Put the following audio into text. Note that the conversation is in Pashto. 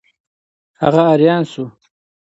هغه آریان شو.